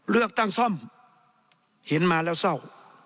เลือกตั้งซ่อมเห็นมาแล้วเศร้า